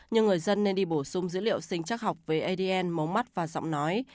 nhưng người dân nên đi bổ sung dữ liệu sinh chắc học về adn mống mắt và giọng nói